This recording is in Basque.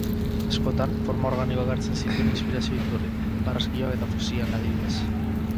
Askotan, forma organikoak hartzen zituen inspirazio-iturri, barraskiloak eta fosilak adibidez.